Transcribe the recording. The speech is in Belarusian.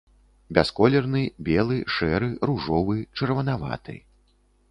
Бясколерны, белы, шэры, ружовы, чырванаваты.